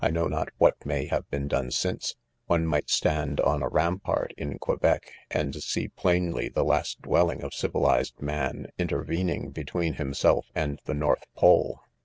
know not what may have been done since,) one inight stand ©n a rampart of Que bec, and See plainly the last dwelling of civilized man in tervening between himself and the North pole.